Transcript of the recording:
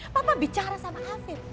papa bicara sama afif